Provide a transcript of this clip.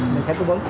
mình sẽ cung ứng